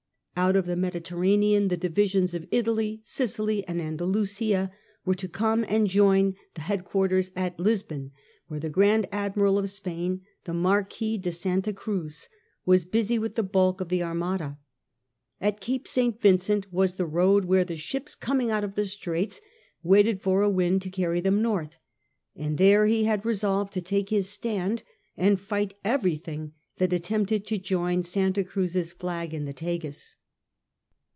Out of the Mediterranean the divisions of Italy, Sicily, and Andalusia were to come and join the headquarters at Lisbon, where the Grand Admiral of Spain, the Marquis de Santa Cruz, was busy with the bulk of the Armada. At Cape St. Vincent was the road where ships coming out of the Straits waited for a wind to carry them North, and there he had resolved to take his stand, and fight everything that attempted to join Santa Cruz's flag in the Tagus.